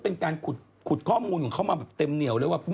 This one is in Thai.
เป็นการขุดข้อมูลของเขามาแบบเต็มเหนียวเลยว่า